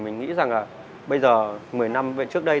mình nghĩ rằng là bây giờ một mươi năm trước đây